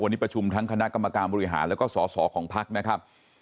วันนี้ประชุมทั้งคณะกรรมการบริหารแล้วก็สอสอของพักนะครับ